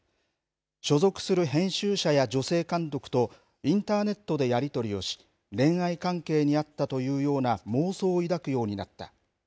所属する編集者や女性監督とインターネットでやり取りをし、恋愛関係にあったというような妄想を抱くようになった。